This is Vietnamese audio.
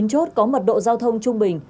chín chốt có mật độ giao thông trung bình